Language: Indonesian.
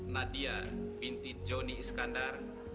nadia binti joni iskandar